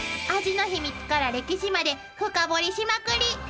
［味の秘密から歴史まで深掘りしまくり］